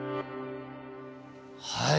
はい。